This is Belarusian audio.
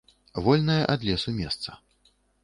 Вольнае ад лесу месца.